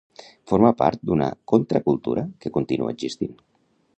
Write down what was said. Forma part d'una contracultura que continua existint.